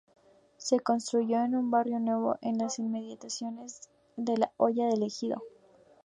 Se construyó un barrio nuevo en las inmediaciones de la Hoya del Egido.